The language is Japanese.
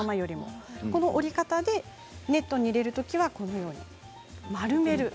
この折り方でネットに入れるときは丸める。